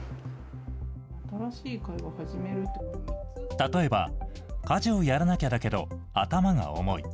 例えば、家事をやらなきゃだけど頭が重い。